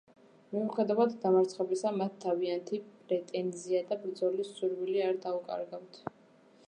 მიუხედავად დამარცხებისა, მათ თავიანთი პრეტენზია და ბრძოლის სურვილი არ დაუკარგავთ.